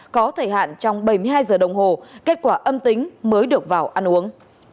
có thời hạn trong bảy mươi hai giờ đồng hồ kết quả âm tính mới được vào ăn uống